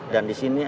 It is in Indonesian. dan di sini ada